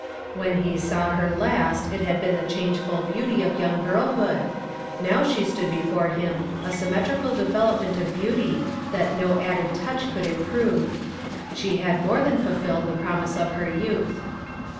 When he saw her last, it had been the changeful beauty of young girlhood, now she stood before him a symmetrical development of beauty that no added touch could improve. She had more than fulfilled the promise of her youth.